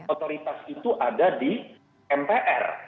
otoritas itu ada di mpr